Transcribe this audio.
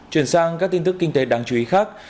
chuyển sang các tin tức kinh tế đáng chú ý khác